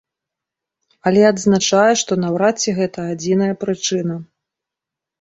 Але адзначае, што наўрад ці гэта адзіная прычына.